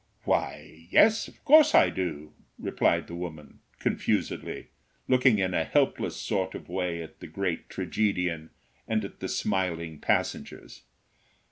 "Why, yes, of course I do!" replied the woman, confusedly, looking in a helpless sort of way at the great tragedian and at the smiling passengers.